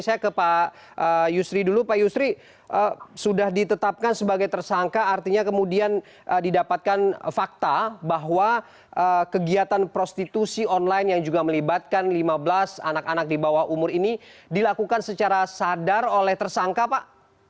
saya ke pak yusri dulu pak yusri sudah ditetapkan sebagai tersangka artinya kemudian didapatkan fakta bahwa kegiatan prostitusi online yang juga melibatkan lima belas anak anak di bawah umur ini dilakukan secara sadar oleh tersangka pak